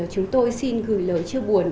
chúng tôi xin gửi lời chia buồn